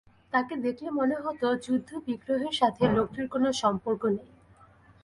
তাকে দেখলে মনে হত, যুদ্ধ-বিগ্রহের সাথে লোকটির কোনই সম্পর্ক নেই।